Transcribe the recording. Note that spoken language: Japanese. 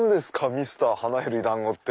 ミスター花より団子って。